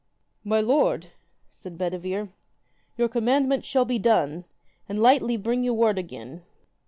My lord, said Bedivere, your commandment shall be done, and lightly bring you word again.